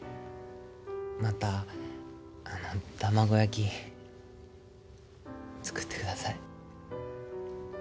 またあの卵焼き作ってください。